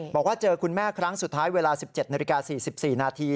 บอกว่าเจอคุณแม่ครั้งสุดท้ายเวลา๑๗นาฬิกา๔๔นาที